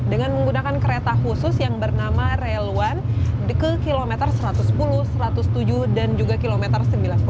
dengan menggunakan kereta khusus yang bernama rail satu ke kilometer satu ratus sepuluh satu ratus tujuh dan juga kilometer sembilan puluh